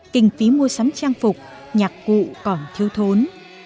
kinh phí mua sắm trang phục nhạc cụ còn thiếu thốn